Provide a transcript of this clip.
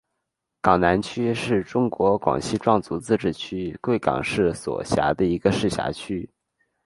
港南区是中国广西壮族自治区贵港市所辖的一个市辖区。